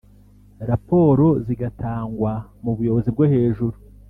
raporo zigatangwa mu buyobozi bwo hejuru